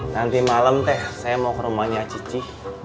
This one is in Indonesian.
nanti malam teh saya mau ke rumahnya cici